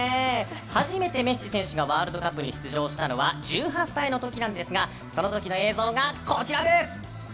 初めてメッシ選手がワールドカップに出場したのは１８歳の時なんですがその時の映像がこちらです。